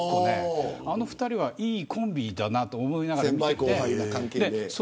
あの２人は、いいコンビだなと思いながら見ていて。